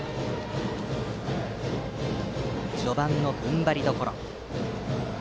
序盤の踏ん張りどころ。